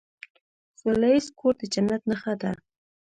سوله ایز کور د جنت نښه ده.